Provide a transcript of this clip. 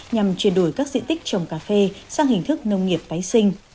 nhằm chuyển đổi các diện tích trồng cà phê sang hình thức nông nghiệp phái sinh